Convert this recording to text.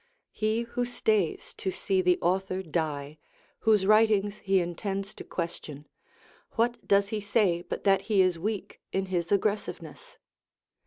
He who stays to see the author die, whose writings he intends to question, what does he say but that he is weak in his aggressiveness?